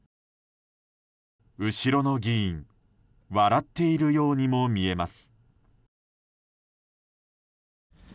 後ろの議員笑っているようにも見えます。